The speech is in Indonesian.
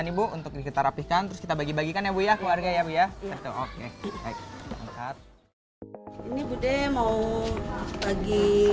nih bu untuk kita rapihkan terus kita bagi bagikan ya bu ya keluarga ya iya oke ini bude mau bagi